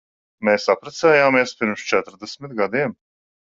Mēs apprecējāmies pirms četrdesmit gadiem.